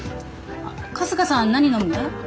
春日さん何飲む？